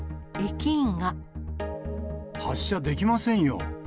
発車できませんよ。